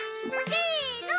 せの。